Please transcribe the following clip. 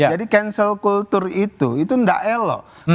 jadi cancel culture itu itu tidak elok